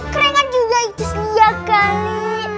keren kan juga itu iya kali